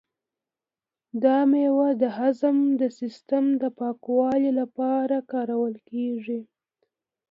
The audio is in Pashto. دا مېوه د هضم د سیسټم د پاکوالي لپاره کارول کیږي.